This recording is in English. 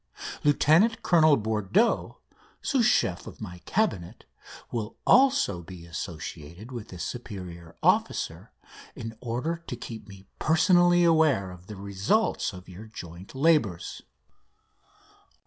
Lieutenant Colonel Bourdeaux, Sous Chef of my Cabinet, will also be associated with this superior officer, in order to keep me personally aware of the results of your joint labours.